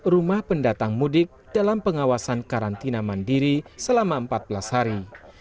rumah pendatang mudik dalam pengawasan karantina mandiri selama empat belas hari